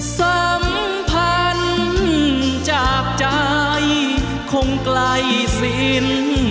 สัมพันธ์จากใจคงไกลสิน